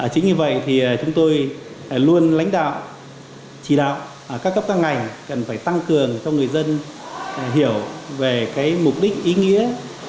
chính như vậy thì chúng tôi luôn lãnh đạo chỉ đạo các cấp tăng ngành cần phải tăng cường cho người dân hiểu về cái mục đích ý nghĩa